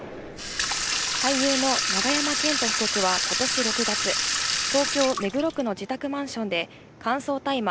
俳優の永山絢斗被告は今年６月、東京・目黒区の自宅マンションで乾燥大麻